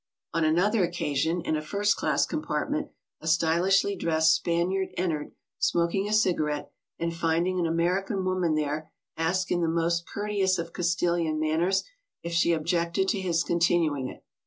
On an other occasion, in a first class compartment, a stylishly dressed Spaniard entered, smoking a cigarette, and finding an American woman there, asked in the most courteous of Castilian manners if she objected to his continuing it.